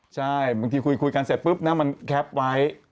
ใช่บางทีคุยกันเสร็จปุ๊บนะมันแคปไว้